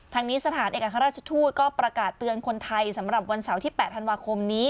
ทางนี้สถานเอกราชทูตก็ประกาศเตือนคนไทยสำหรับวันเสาร์ที่๘ธันวาคมนี้